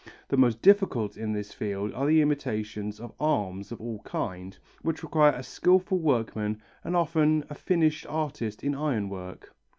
The most difficult in this field are the imitations of arms of all kinds, which require a skilful workman and often a finished artist in iron work.